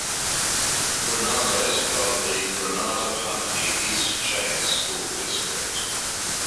Granada is part of the Granada-Huntley-East Chain School District.